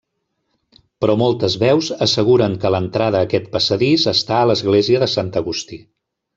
Però moltes veus asseguren que l'entrada a aquest passadís està a l'església de Sant Agustí.